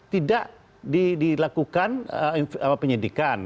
tidak dilakukan penyidikan